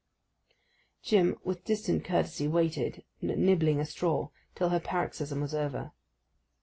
Jim with distant courtesy waited, nibbling a straw, till her paroxysm was over.